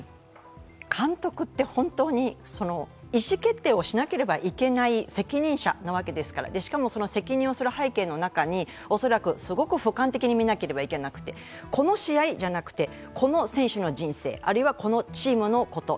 監督って本当に意思決定をしなければいけない責任者なわけですからしかも責任をする背景に、すごくふかん的に見なくてはいけなくてこの試合じゃなくてこの選手の人生あるいはこのチームのこと